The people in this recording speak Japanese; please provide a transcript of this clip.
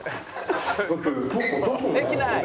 できない。